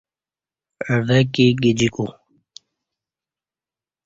عوہ کی گجیکو